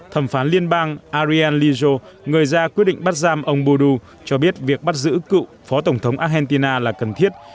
thẩm phán liên bang ariel lillo người ra quyết định bắt giam ông budu cho biết việc bắt giữ cựu phó tổng thống argentina là cần thiết